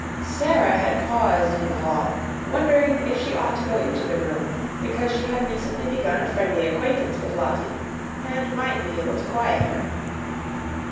Sara had paused in the hall, wondering if she ought to go into the room, because she had recently begun a friendly acquaintance with Lottie and might be able to quiet her.